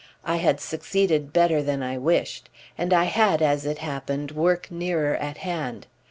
I had succeeded better than I wished, and I had, as it happened, work nearer at hand.